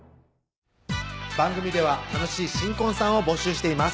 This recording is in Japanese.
番組では楽しい新婚さんを募集しています